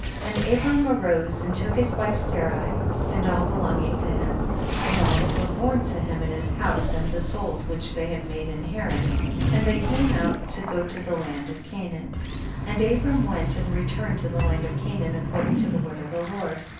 And Abram arose and took his wife Sarai and all belonging to him, and all that were born to him in his house and the souls which the}^ had made in Haran, and they came out to go to the land of Canaan. 26. And Abram went and return ed to the land of Canaan, according to the word of the Lord.